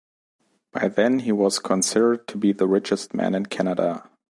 By then he was considered to be the richest man in Canada.